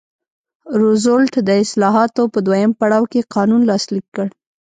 روزولټ د اصلاحاتو په دویم پړاو کې قانون لاسلیک کړ.